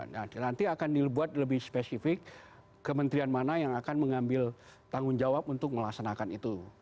nah nanti akan dibuat lebih spesifik kementerian mana yang akan mengambil tanggung jawab untuk melaksanakan itu